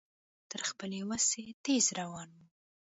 تر خپلې وسې تېز روان و.